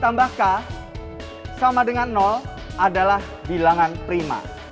maka sama dengan adalah bilangan prima